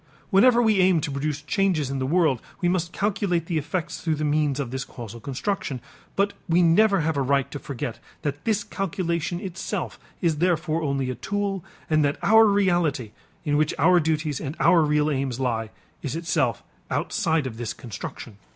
Whenever we aim to produce changes in the world, we must calculate the effects through the means of this causal construction, but we never have a right to forget that this calculation itself is therefore only a tool and that our reality, in which our duties and our real aims lie, is itself outside of this construction.